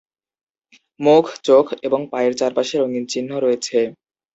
মুখ, চোখ এবং পায়ের চারপাশে রঙিন চিহ্ন রয়েছে।